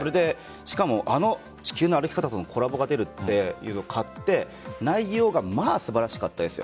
しかもあの「地球の歩き方」とのコラボが出るというのは買って内容はまあ素晴らしかったです。